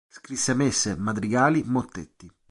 Scrisse messe, madrigali, mottetti.